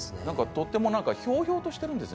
とてもひょうひょうとしてるんです。